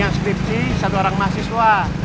yang skripsi satu orang mahasiswa